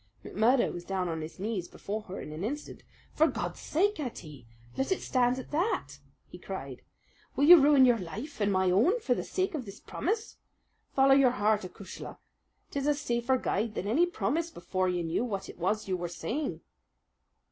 McMurdo was down on his knees before her in an instant. "For God's sake, Ettie, let it stand at that!" he cried. "Will you ruin your life and my own for the sake of this promise? Follow your heart, acushla! 'Tis a safer guide than any promise before you knew what it was that you were saying."